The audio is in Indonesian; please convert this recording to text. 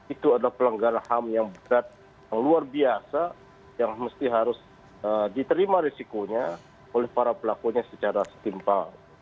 itu adalah pelanggaran ham yang berat yang luar biasa yang mesti harus diterima risikonya oleh para pelakunya secara setimpal